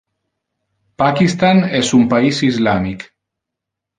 Pakistan es un pais islamic.